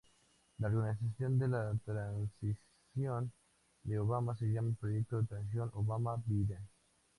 La organización de la transición de Obama se llama Proyecto de Transición Obama-Biden.